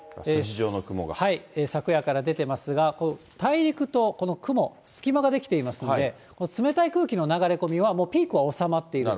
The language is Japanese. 昨夜から出てますが、大陸とこの雲、隙間が出来ていますので、冷たい空気の流れ込みはもうピークは収まっていると。